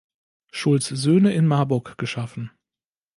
Schultz Söhne in Marburg geschaffen.